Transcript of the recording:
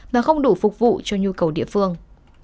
mà không đủ phục vụ cho nhu cầu địa phương